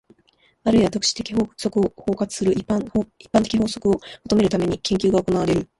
あるいは特殊的法則を包括する一般的法則を求めるために、研究が行われる。